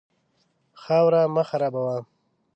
خاوره مه خرابوه.